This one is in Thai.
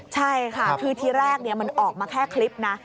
ใช่ค่ะคือทีแรกมันออกมาแค่คลิปนะ